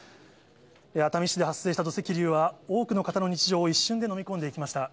熱海市で発生した土石流は、多くの方の日常を一瞬で飲み込んでいきました。